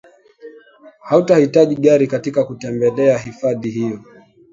hautahitaji gari katika kutembelea hifadhi hiyo